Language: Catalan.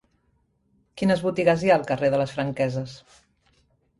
Quines botigues hi ha al carrer de les Franqueses?